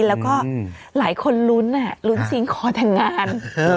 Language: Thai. แล้วก็หลายคนลุ้นลุ้นซิงคอร์แต่งงาน